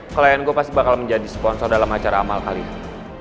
klien gue pasti bakal menjadi sponsor dalam acara amal kalian